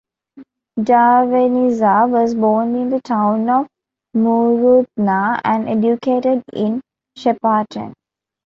Darveniza was born in the town of Mooroopna and educated in Shepparton.